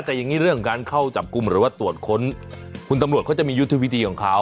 แต่อย่างนี้เรื่องการเข้าจับกลุ่มหรือว่าตรวจค้นคุณตำรวจเขาจะมียุทธวิธีของเขา